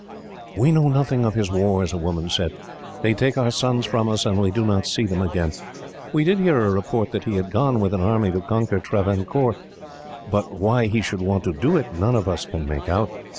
"We know nothing of his wars," a woman said. "They take our sons from us, and we do not see them again. We did hear a report that he had gone, with an army, to conquer Travancore. But why he should want to do it, none of us can make out.